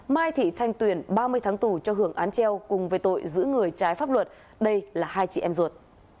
mai thị thanh tuyền ba mươi tháng tù cho hưởng án treo cùng với tội giữ người trái pháp luật đây là hai chị em ruột